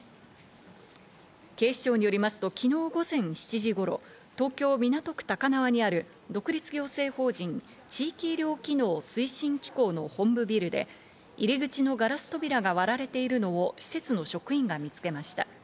警視庁によりますと昨日午前７時頃、東京・港区高輪にある独立行政法人・地域医療機能推進機構の本部ビルで、入り口のガラス扉が割られているのを施設の職員が見つけました。